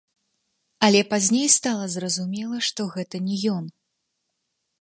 Але пазней стала зразумела, што гэта не ён.